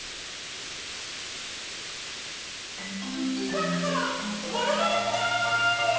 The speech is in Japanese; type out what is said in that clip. パクコのものまねクーイズ！